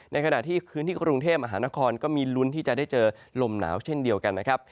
ในขณะที่พื้นที่กรุงเทพมหานครก็มีลุ้นที่จะได้เจอลมหนาวเช่นเดียวกันนะครับ